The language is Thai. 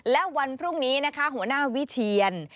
และวันพรุ่งนี้นะคะหัวหน้าวิเชียน